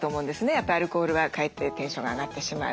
やっぱアルコールはかえってテンションが上がってしまう。